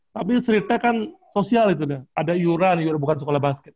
tapi street tag kan sosial itu ada yuran bukan sekolah basket